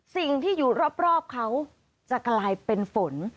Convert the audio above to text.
สิ่งที่อยู่รอบเขาจะกลายเป็นฝน